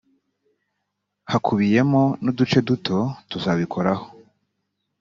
hakubiyemo n uduce duto tuzabikoraho